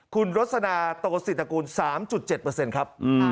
คุณรสนาโตศิษฐกูล๓๗ครับ